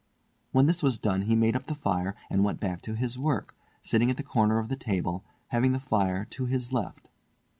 When this was done he made up the fire, and went back to his work, sitting at the corner of the table, having the fire to his left.